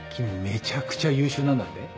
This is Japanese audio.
めちゃくちゃ優秀なんだって？